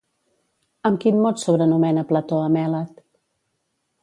Amb quin mot sobrenomena Plató a Mèlet?